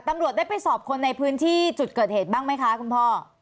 ตำรวจได้ไปสอบคนในพื้นที่จุดเกิดเหตุบ้างไหมคะคุณพ่อ